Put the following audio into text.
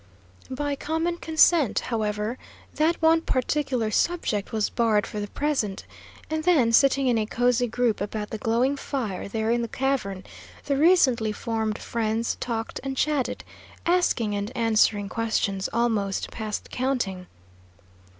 By common consent, however, that one particular subject was barred for the present, and then, sitting in a cosy group about the glowing fire there in the cavern, the recently formed friends talked and chatted, asking and answering questions almost past counting.